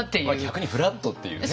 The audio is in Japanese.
逆にフラットっていうね。